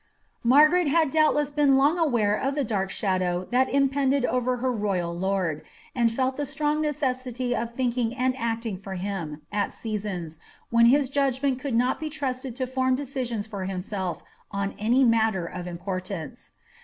Margaret had doubtless been long aware of the dark shadow that im pended over lier royal lord, and felt the strong necessity of thinking and acting for him^ at seasons, when his judgment could not be trusted to form decisions for himself, on any matter of importance.